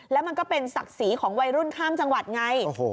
แล้วมันก็เป็นศักดิ์ศรีของวัยรุ่นข้ามจังหวัดไง